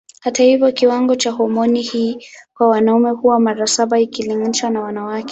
Hata hivyo kiwango cha homoni hii kwa wanaume huwa mara saba ikilinganishwa na wanawake.